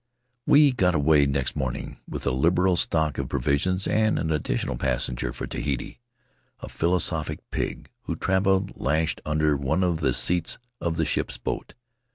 "We got away next morning, with a liberal stock of provisions and an additional passenger for Tahiti — a philosophic pig, who traveled lashed under one of the seats of the ship's boat.